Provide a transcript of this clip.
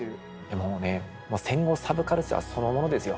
もうね戦後サブカルチャーそのものですよ。